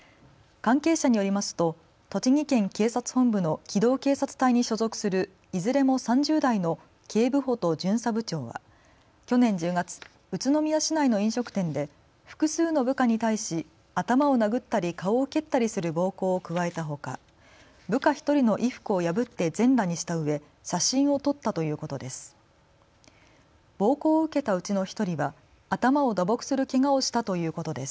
関係者によりますと栃木県警察本部の機動警察隊に所属するいずれも３０代の警部補と巡査部長は去年１０月、宇都宮市内の飲食店で複数の部下に対し頭を殴ったり顔を蹴ったりする暴行を加えたほか、部下１人の衣服を破って全裸にしたうえ写真を撮ったということです。